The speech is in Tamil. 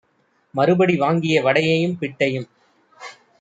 மறுபடி வாங்கிய வடையையும் பிட்டையும்